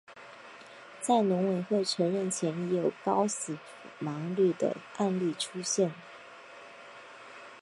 在农委会承认前已有高死亡率的案例出现。